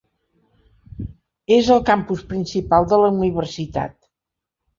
És el campus principal de la universitat.